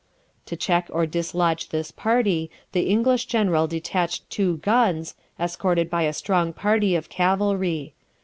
To check or dislodge this party, the English general detached two guns, escorted by a strong party of cavalry.